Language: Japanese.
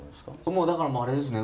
もうだからあれですね